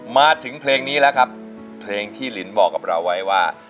มาถึงเพลงนี้แล้วครับเพลงที่ลินบอกกับเราไว้ว่า